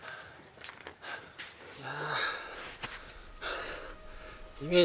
いや。